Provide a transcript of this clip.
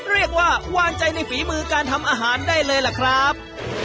ว่าวางใจในฝีมือการทำอาหารได้เลยล่ะครับ